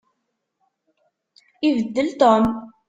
Ibeddel Tom.